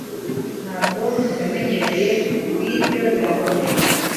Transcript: Ntabwo namenyereye, kubwibyo birakomeye.